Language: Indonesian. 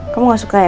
kamu gak suka ya